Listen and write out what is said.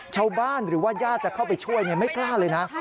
ชาวบ้านหรือว่าญาติจะเข้าไปช่วยไม่กล้าเลยนะ